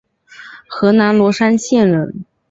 河南罗山县人。